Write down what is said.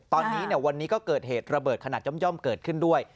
ตอนนี้วันนี้ก็เกิดเหตุระเบิดขนาดย่อมเกิดขึ้นด้วย